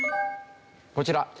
こちら。